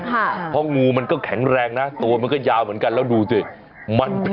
แล้วงูทำอย่างนี้งูทำอย่างนี้คุณพี่ยกอาจจะไม่เห็นน้องใบตองทำให้ดูหน่อยว่าทำยังไง